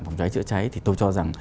phòng cháy dựa cháy thì tôi cho rằng